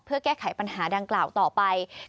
เพื่อแก้ไขปัญหาดังกล่าวต่อไป